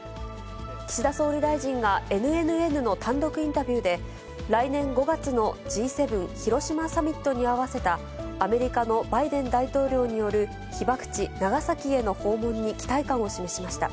岸田総理大臣がＮＮＮの単独インタビューで、来年５月のＧ７広島サミットに合わせたアメリカのバイデン大統領による被爆地、長崎への訪問に期待感を示しました。